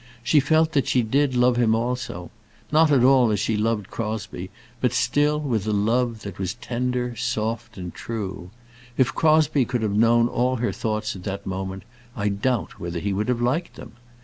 She felt that she did love him also; not at all as she loved Crosbie, but still with a love that was tender, soft, and true. If Crosbie could have known all her thoughts at that moment, I doubt whether he would have liked them.